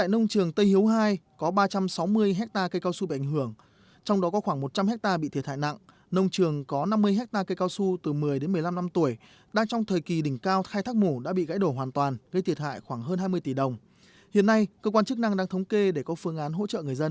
hiện trường tây hiếu hai có ba trăm sáu mươi hectare cây cao su bị ảnh hưởng trong đó có khoảng một trăm linh hectare bị thiệt hại nặng nông trường có năm mươi hectare cây cao su từ một mươi đến một mươi năm năm tuổi đang trong thời kỳ đỉnh cao khai thác mù đã bị gãy đổ hoàn toàn gây thiệt hại khoảng hơn hai mươi tỷ đồng hiện nay cơ quan chức năng đang thống kê để có phương án hỗ trợ người dân